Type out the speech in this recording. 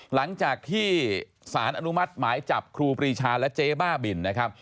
หลังจากที่สารอนุมัติหมายจับครูปรีชาและเจ๊บ้าบินนะครับ